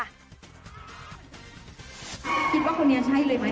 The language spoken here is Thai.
คิดว่าคนนี้ใช่เลยมั้ยนี่พี่อยากรู้เอง